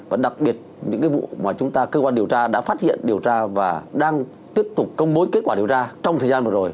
và đặc biệt những cái vụ mà chúng ta cơ quan điều tra đã phát hiện điều tra và đang tiếp tục công bố kết quả điều tra trong thời gian vừa rồi